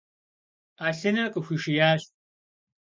Ӏэлъыныр къыхуишиящ.